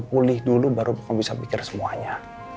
pulih dulu baru kamu bisa pikir semuanya